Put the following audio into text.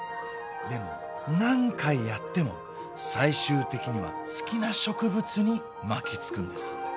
でも何回やっても最終的には好きな植物に巻きつくんです。